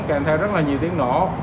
kèm theo rất là nhiều tiếng nổ